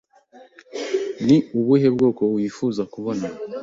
Ni ubuhe bwoko wifuza kubona?